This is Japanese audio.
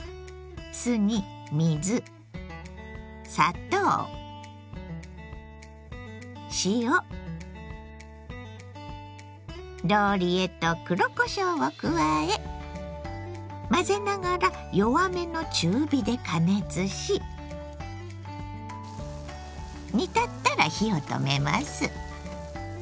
酢に水砂糖塩ローリエと黒こしょうを加え混ぜながら弱めの中火で加熱し煮立ったら火を止めます。